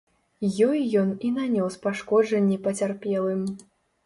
Ёй ён і нанёс пашкоджанні пацярпелым.